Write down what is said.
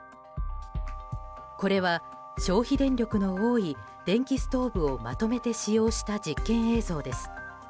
これは消費電力の多い電気ストーブをまとめて使用した実験映像です。